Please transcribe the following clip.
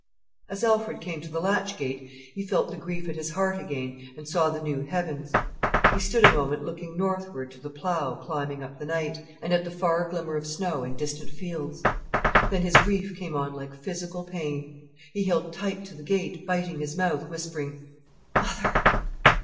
As Alfred came to the latch gate, he felt the grief at his heart again, and saw the new heavens. He stood a moment looking northward to the Plough climbing up the night, and at the far glimmer of snow in distant fields. Then his grief came on like physical pain. He held tight to the gate, biting his mouth, whispering "Mother!"